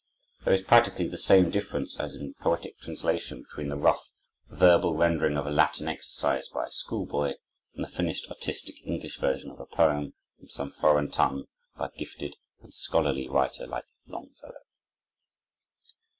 There is practically the same difference as in poetic translation between the rough, verbal rendering of a Latin exercise by a school boy, and the finished, artistic English version of a poem from some foreign tongue, by a gifted and scholarly writer like Longfellow.